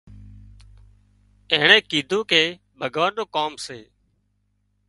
اينڻي ڪيڌوون ڪي ڀڳوان نُون ڪام سي